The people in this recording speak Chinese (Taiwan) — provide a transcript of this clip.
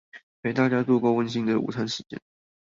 陪大家度過溫馨的午餐時間